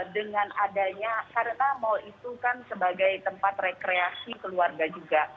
dengan adanya karena mal itu kan sebagai tempat rekreasi keluarga juga